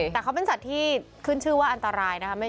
แต่เขาเป็นสัตว์ที่ขึ้นชื่อว่าอันตรายนะคะ